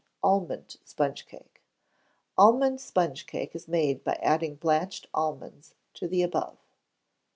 Almond Sponge Cake. Almond Sponge Cake is made by adding blanched almonds to the above.